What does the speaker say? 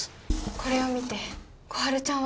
これを見て心春ちゃんは